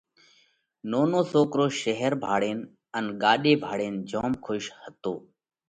نونو سوڪرو شير ڀاۯينَ ان ڳاڏي ڀاۯينَ جوم کُش هتو۔